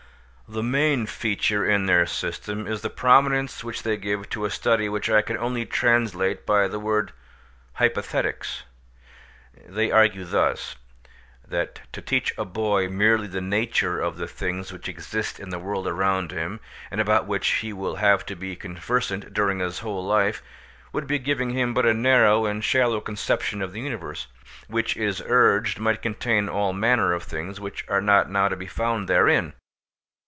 The main feature in their system is the prominence which they give to a study which I can only translate by the word "hypothetics." They argue thus—that to teach a boy merely the nature of the things which exist in the world around him, and about which he will have to be conversant during his whole life, would be giving him but a narrow and shallow conception of the universe, which it is urged might contain all manner of things which are not now to be found therein.